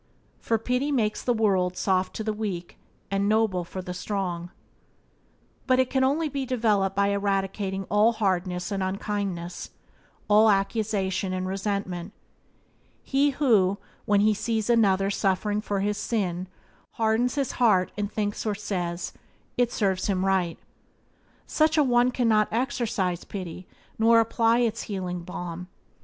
"For pity makes the world Soft to the weak, and noble for the strong." But it can only be developed by eradicating all hardness and unkindness, all accusation and resentment. He who, when he sees another suffering for his sin, hardens his heart and thinks or says: "It serves him right" — such a one cannot exercise pity nor apply its healing balm.